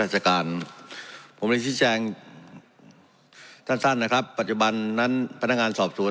จากการผมได้ชี้แจงสั้นนะครับปัจจุบันนั้นพนักงานสอบสวน